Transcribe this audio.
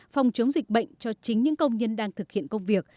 phòng chống dịch bệnh cho chính những công nhân đang thực hiện công việc